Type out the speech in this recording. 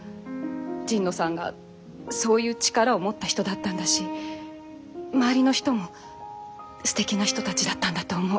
神野さんがそういう力を持った人だったんだし周りの人もすてきな人たちだったんだと思う。